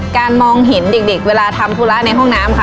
มองเห็นเด็กเวลาทำธุระในห้องน้ำค่ะ